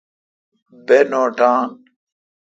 بہ نوٹان۔